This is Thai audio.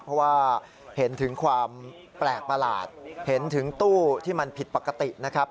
เพราะว่าเห็นถึงความแปลกประหลาดเห็นถึงตู้ที่มันผิดปกตินะครับ